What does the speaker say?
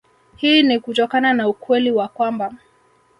Hii ni kutokana na ukweli wa kwamba